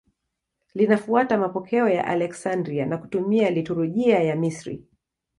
Linafuata mapokeo ya Aleksandria na kutumia liturujia ya Misri.